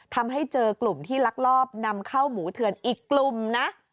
ทำให้เจอกลุ่มที่ลักลอบนำเข้าหมูเถือนอีกกลุ่มนะ